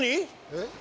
えっ？